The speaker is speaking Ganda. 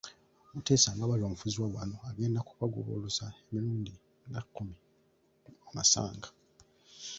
Mutesa nga bw'ali omufuzi wa wano agenda kubagoboloza emirundi nga kkumi mu masanga.